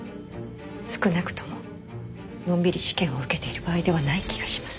少なくとものんびり試験を受けている場合ではない気がします。